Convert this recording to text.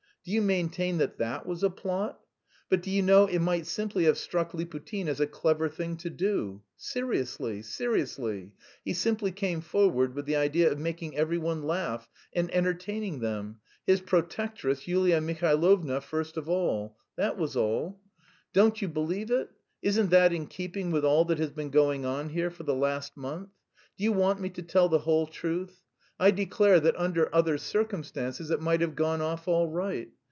Do you maintain that that was a plot? But do you know it might simply have struck Liputin as a clever thing to do. Seriously, seriously. He simply came forward with the idea of making every one laugh and entertaining them his protectress Yulia Mihailovna first of all. That was all. Don't you believe it? Isn't that in keeping with all that has been going on here for the last month? Do you want me to tell the whole truth? I declare that under other circumstances it might have gone off all right.